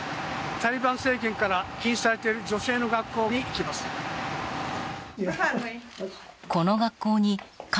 タリバン政権から禁止されている女性の学校に行きます。